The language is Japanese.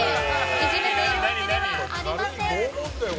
いじめているわけではありません。